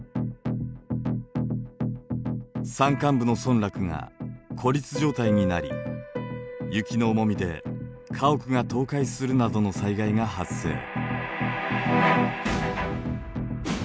山間部の村落が孤立状態になり雪の重みで家屋が倒壊するなどの災害が発生。